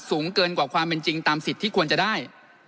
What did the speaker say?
สูงเกินกว่าความเป็นจริงตามสิทธิ์ที่ควรจะได้